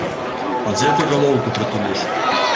А дзе ты галоўку прытуліш?